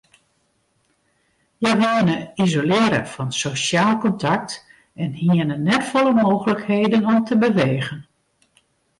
Hja wiene isolearre fan sosjaal kontakt en hiene net folle mooglikheden om te bewegen.